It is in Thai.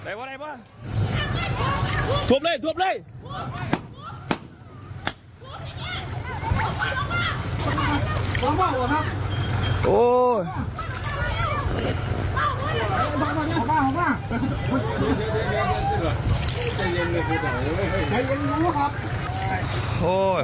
โอ้ยพ่อใหญ่ไว้